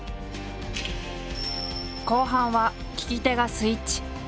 後半は聞き手がスイッチ。